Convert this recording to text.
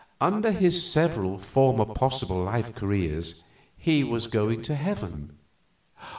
Under his several former possible life careers he was going to heaven."